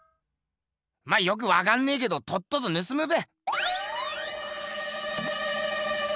まあよくわかんねえけどとっととぬすむべ。